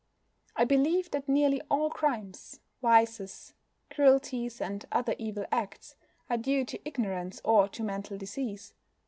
I believe that nearly all crimes, vices, cruelties, and other evil acts are due to ignorance or to mental disease.